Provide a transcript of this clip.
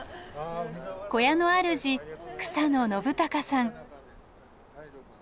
小屋のあるじ草野延孝さん。